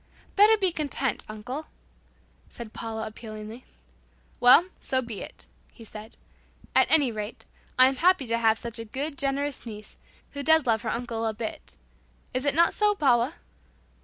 "Better be content, uncle," said Paula appealingly. "Well, so be it," he said. "At any rate, I am happy to have such a good and generous niece, who does love her uncle a bit. Is it not so, Paula?"